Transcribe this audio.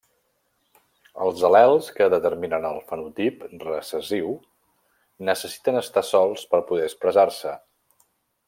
Els al·lels que determinen el fenotip recessiu necessiten estar sols per poder expressar-se.